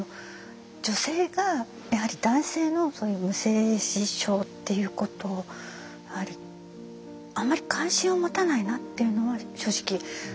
女性がやはり男性のそういう無精子症っていうことあまり関心を持たないなっていうのは正直あったんです。